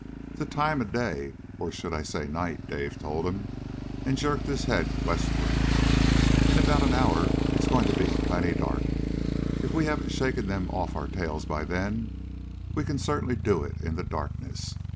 "The time of day, or I should say night," Dave told him, and jerked his head westward. "In about an hour it's going to be plenty dark. If we haven't shaken them off our tails by then, we can certainly do it in the darkness.